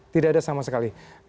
tidak ada sama sekali